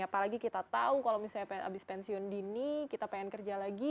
apalagi kita tahu kalau misalnya habis pensiun dini kita pengen kerja lagi